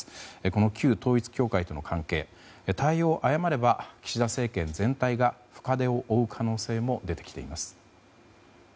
この旧統一教会との関係対応を誤れば岸田政権全体が深手を負う可能性も出てきています。